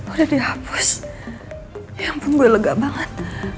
udah dihapus yang punggul lega banget